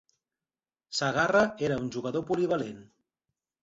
Segarra era un jugador polivalent.